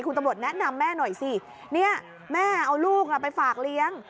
คุณตำรวจแนะนำแม่หน่อยสิเนี่ยแม่เอาลูกไปฝากเลี้ยง